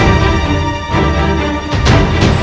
tidak ada ini